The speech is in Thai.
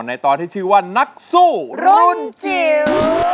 ในตอนที่ชื่อว่านักสู้รุ่นจิ๋ว